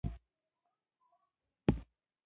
د دغو ټولو نویو او غوره څیزونو تر شا یو معیار شته